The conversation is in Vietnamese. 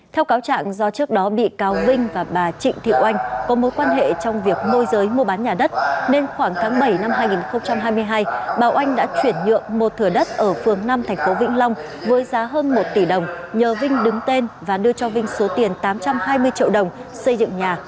theo cáo trạng do trước đó bị cáo vinh và bà trịnh thị oanh có mối quan hệ trong việc môi giới mua bán nhà đất nên khoảng tháng bảy năm hai nghìn hai mươi hai bà oanh đã chuyển nhượng một thửa đất ở phường năm tp vĩnh long với giá hơn một tỷ đồng nhờ vinh đứng tên và đưa cho vinh số tiền tám trăm hai mươi triệu đồng xây dựng nhà